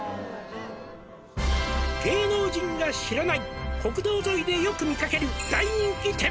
「芸能人が知らない国道沿いでよく見かける大人気店」